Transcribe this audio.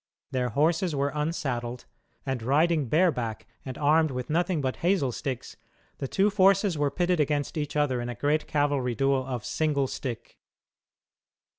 Their horses were unsaddled, and, riding "bareback" and armed with nothing but hazel sticks, the two forces were pitted against each other in a great cavalry duel of "single stick."